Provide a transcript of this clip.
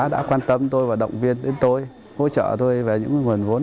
đã quan tâm tôi và động viên đến tôi hỗ trợ tôi về những nguồn vốn